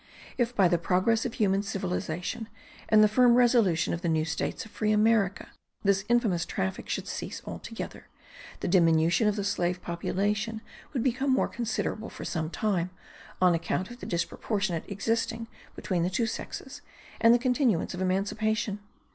If, by the progress of human civilization, and the firm resolution of the new states of free America, this infamous traffic should cease altogether, the diminution of the slave population would become more considerable for some time, on account of the disproportion existing between the two sexes, and the continuance of emancipation.